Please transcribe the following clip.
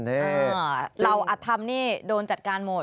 นี่เราอธรรมนี่โดนจัดการหมด